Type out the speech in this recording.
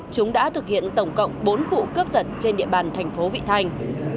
thực hiện tổng cộng bốn vụ cướp giật trên địa bàn thành phố vị thanh